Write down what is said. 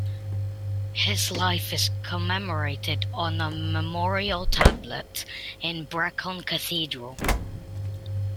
His life is commemorated on a memorial tablet in Brecon Cathedral.